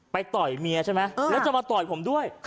ต่อยเมียใช่ไหมแล้วจะมาต่อยผมด้วย